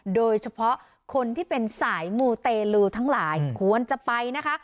โดยเฉพาะคนที่เป็นสายมูเตลูทั้งหลายควรจะไปนะคะ